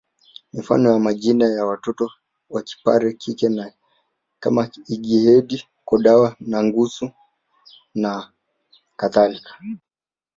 Mifano ya majina ya watoto wakipare kike ni kama Ingiahedi Kodawa Nangasu na kadhalika